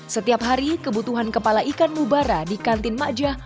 setiap hari kebutuhan kepala ikan mubara di kantin makjah